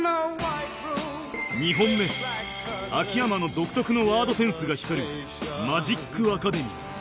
２本目秋山の独特のワードセンスが光る「マジックアカデミー」